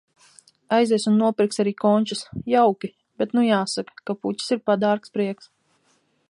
Aizies un nopirks arī končas. Jauki. Bet nu jāsaka, ka puķes ir padārgs prieks.